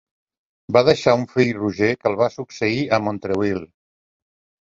Va deixar un fill Roger, que el va succeir a Montreuil.